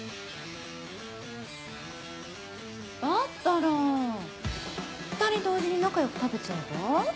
だったら２人同時に仲良く食べちゃえば？